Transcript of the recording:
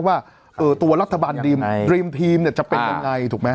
ว่าเออตัวรัฐบาลดีมดรีมทีมเนี้ยจะเป็นยังไงถูกมั้ย